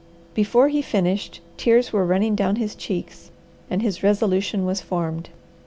Before he finished, tears were running down his cheeks, and his resolution was formed.